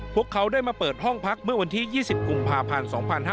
พวกเขาได้มาเปิดห้องพักเมื่อวันที่๒๐กุมภาพันธ์๒๕๕๙